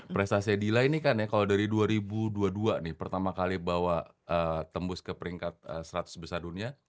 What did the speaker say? prestasinya dila ini kan ya kalau dari dua ribu dua puluh dua nih pertama kali bawa tembus ke peringkat seratus besar dunia